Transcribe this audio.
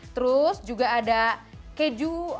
terus juga ada keju